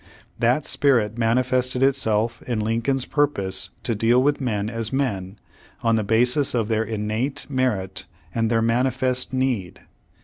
That spirit manifested itself in Lincoln's pur pose to deal with men as men, on the basis of their innate merit and their manifest need.